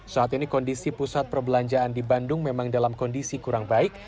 saat ini kondisi pusat perbelanjaan di bandung memang dalam kondisi kurang baik